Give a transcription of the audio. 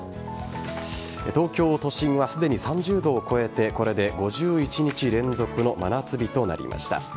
東京都心はすでに３０度を超えてこれで５１日連続の真夏日となりました。